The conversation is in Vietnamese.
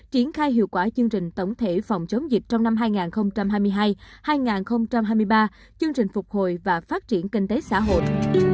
triển khai hiệu quả chương trình tổng thể phòng chống dịch trong năm hai nghìn hai mươi hai hai nghìn hai mươi ba chương trình phục hồi và phát triển kinh tế xã hội